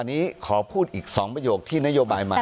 อันนี้ขอพูดอีก๒ประโยคที่นโยบายมา